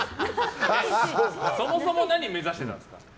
そもそも何目指してたんですか？